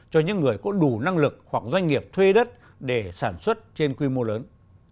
cho những người có đủ năng lực hoặc doanh nghiệp thuê đất để sản xuất trên quy mô lớn